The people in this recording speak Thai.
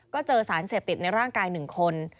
ก็เจอสารเสพติดในร่างกาย๑คน